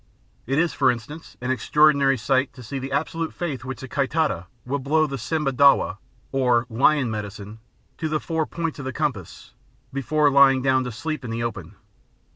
It is, for instance, an extraordinary sight to see the absolute faith with which a Ki Taita will blow the simba dawa, or "lion medicine ", to the four points of the compass before lying down to sleep in the open.